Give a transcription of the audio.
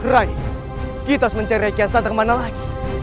raih kita harus mencari akihan santan kemana lagi